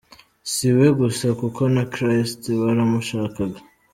Si we gusa kuko na Christ baramushakaga.